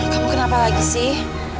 kamu kenapa lagi sih